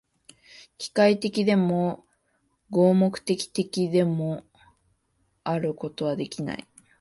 機械的でも、合目的的でもあることはできない。